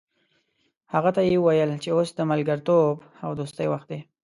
هغه ته یې وویل چې اوس د ملګرتوب او دوستۍ وخت دی.